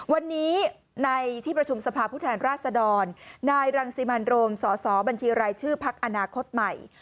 วันนี้ในที่ประชุมสภาพผู้แทนราชดรนายรังสิมันโรมสสบัญชีรายชื่อพักอนาคตใหม่